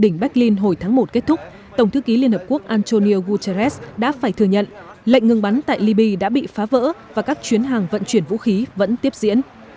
đỉnh berlin hồi tháng một kết thúc tổng thư ký liên hợp quốc antonio guterres đã phải thừa nhận lệnh ngừng bắn tại libya đã bị phá vỡ và các chuyến hàng vận chuyển vũ khí vẫn tiếp diễn